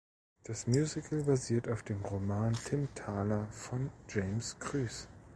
Das Musical basiert auf dem Roman Timm Thaler von James Krüss.